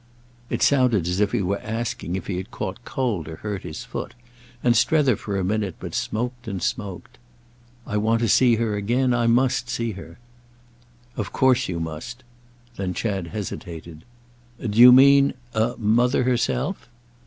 It sounded as if he were asking if he had caught cold or hurt his foot, and Strether for a minute but smoked and smoked. "I want to see her again. I must see her." "Of course you must." Then Chad hesitated. "Do you mean—a—Mother herself?"